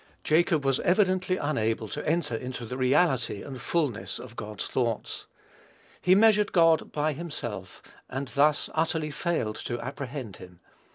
Jacob was evidently unable to enter into the reality and fulness of God's thoughts. He measured God by himself, and thus utterly failed to apprehend him.